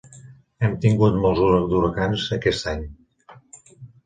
Hem tingut molts d'huracans aquest any.